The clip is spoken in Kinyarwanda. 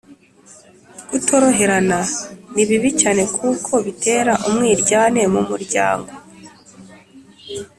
kutoroherana ni bibi cyane kuko bitera umwiryane mu muryango